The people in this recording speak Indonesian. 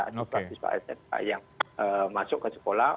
anak anak sma yang masuk ke sekolah